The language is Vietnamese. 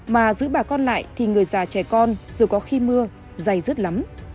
mà giữ bà con lại thì người già trẻ con dù có khi mưa dày rứt lắm